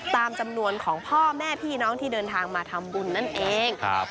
ตามจำนวนของพ่อแม่พี่น้องที่เดินทางมาทำบุญนั่นเอง